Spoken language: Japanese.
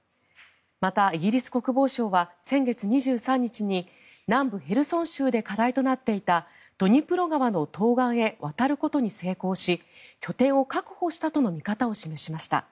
またイギリス国防省は先月２３日に南部ヘルソン州で課題となっていたドニプロ川の東岸へ渡ることに成功し拠点を確保したとの見方を示しました。